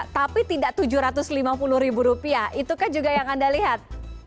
tapi tidak rp tujuh ratus lima puluh itu kan juga yang anda lihat